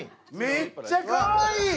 めっちゃかわいい！